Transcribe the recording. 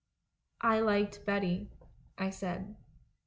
'I liked Betty,' I said.